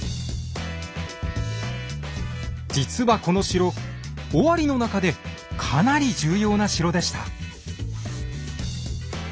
実はこの城尾張の中でかなり重要な城でした。